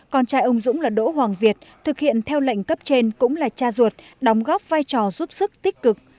con trai ông dũng là đỗ hoàng việt thực hiện theo lệnh cấp trên cũng là cha ruột đóng góp vai trò giúp sức tích cực